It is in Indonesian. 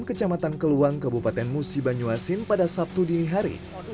kecamatan keluang kabupaten musi banyuasin pada sabtu dini hari